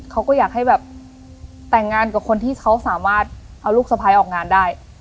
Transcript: เขาก็อยากให้แบบแต่งงานกับคนที่เขาสามารถเอาลูกสะพ้ายออกงานได้